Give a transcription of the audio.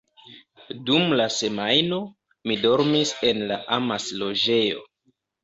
Dum la semajno, mi dormis en la “amas-loĝejo”.